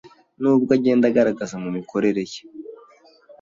n’ubwo agenda agaragaza mu mikorere ye .